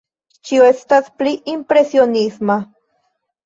Ĉio estas pli impresionisma.